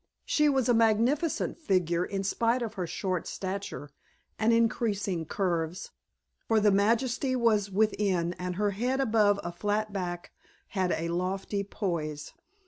She was a majestic figure in spite of her short stature and increasing curves, for the majesty was within and her head above a flat back had a lofty poise.